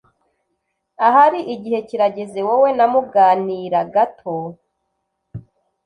Ahari igihe kirageze wowe na muganira gato.